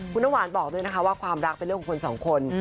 คุณน้ำหวานบอกด้วยนะคะว่าความรักเป็นเรื่องของคนสองคน